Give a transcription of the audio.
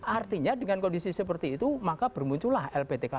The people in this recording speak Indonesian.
artinya dengan kondisi seperti itu maka bermuncullah lptk